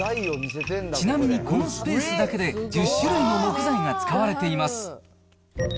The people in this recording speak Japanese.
ちなみにこのスペースだけで、１０種類の木材が使われています。